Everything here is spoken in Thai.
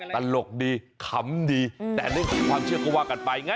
ตลกดีขำดีแต่เรื่องของความเชื่อก็ว่ากันไปไง